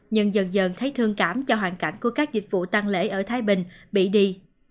nhưng dần dần thấy thương cảm cho hoàn cảnh của các dịch vụ tăng lễ ở thái bình bị đi